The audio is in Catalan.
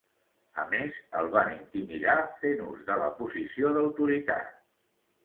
A més, el van intimidar fent ús de la posició d’autoritat.